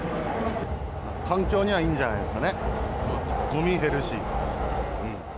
環境にはいいんじゃないですかね、ごみ減るし。